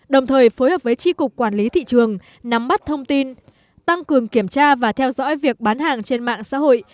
đồng thời phối hợp với tri cục quản lý thị trường nắm bắt thông tin tăng cường kiểm tra và theo dõi việc bán hàng trên mạng xã hội